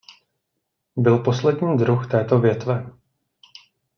Byl poslední druh této větve.